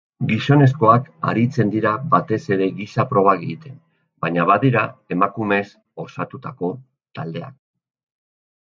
Gizonezkoak aritzen dira batez ere giza probak egiten baina badira emakumez osatutako taldeak.